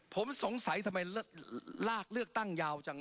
ผมสงสัยทำไมลากเลือกตั้งยาวจัง